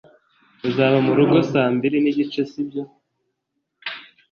Uzaba murugo saa mbiri nigice sibyo